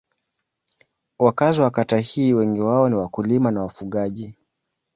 Wakazi wa kata hii wengi wao ni wakulima na wafugaji.